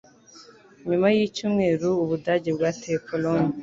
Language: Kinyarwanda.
Nyuma yicyumweru, Ubudage bwateye Polonye.